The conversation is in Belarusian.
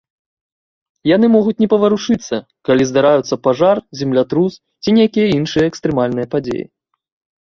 Яны могуць не паварушыцца, калі здараюцца пажар, землятрус ці нейкія іншыя экстрэмальныя падзеі.